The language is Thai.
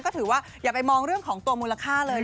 ก็ถือว่าอย่าไปมองเรื่องของตัวมูลค่าเลย